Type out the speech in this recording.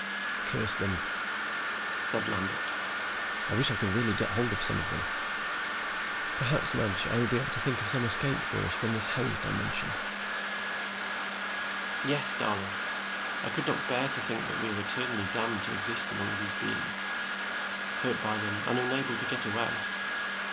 "Curse them," said Lambert. "I wish I could really get hold of some of them. Perhaps, Madge, I will be able to think of some escape for us from this Hell's Dimension." "Yes, darling. I could not bear to think that we are eternally damned to exist among these beings, hurt by them and unable to get away.